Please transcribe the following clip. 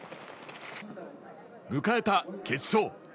迎えた決勝。